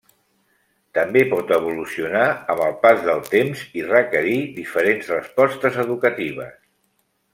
També pot evolucionar amb el pas del temps i requerir diferents respostes educatives.